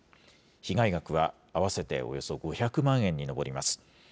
被害額は、合わせておよそおよそ５００万円に上ります。